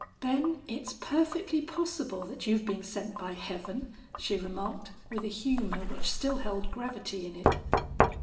"Ben, it's perfectly possible that you've been sent by Heaven," she remarked, with a humor which still held gravity in it.